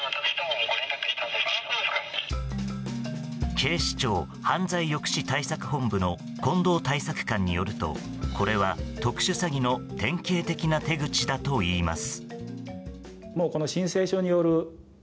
警視庁犯罪抑止対策本部の近藤対策官によるとこれは特殊詐欺の典型的な手口だといいます。